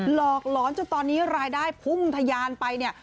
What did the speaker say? หลอกหลอนจนตอนนี้รายได้พุ่งทะยานไปเนี่ย